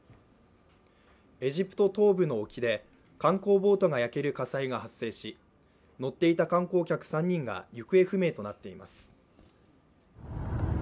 エジプト東部の沖で、観光ボートが焼ける火災が発生し、乗っていた観光客３人が行方不明となっています。